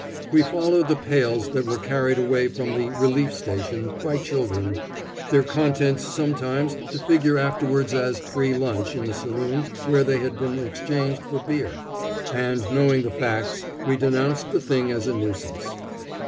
We followed the pails that were carried away from the "relief station" by children, their contents sometimes to figure afterwards as "free lunch" in the saloon where they had been exchanged for beer; and, knowing the facts, we denounced the thing as a nuisance.